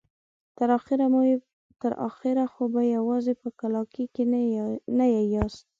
تر اخره خو به يواځې په کلاکې نه يې ناسته.